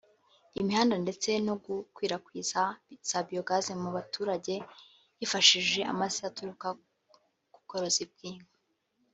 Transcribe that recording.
imihanda ndetse no gukwirakwiza za biogas mu baturage hifashishijwe amase aturuka kubworozi bw’inka